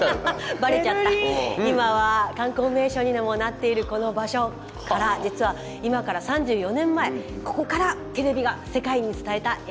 今は観光名所にもなっているこの場所から実は今から３４年前ここからテレビが世界に伝えた映像がこちらです。